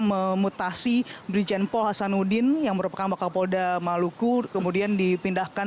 memutasi brigjen paul hasanuddin yang merupakan bakal polda maluku kemudian dipindahkan